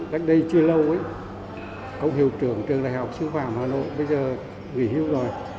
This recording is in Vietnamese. cách đây chưa lâu ấy cộng hiệu trưởng trường đại học sư phạm hà nội bây giờ nghỉ hưu rồi